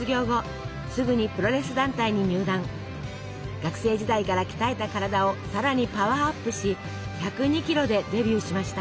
学生時代から鍛えた体をさらにパワーアップし１０２キロでデビューしました。